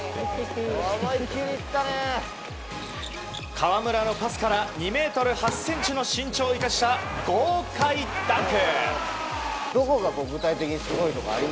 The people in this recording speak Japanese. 河村のパスから２ｍ８ｃｍの身長を生かした豪快ダンク。